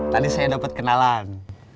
tadi saya dapat kenalan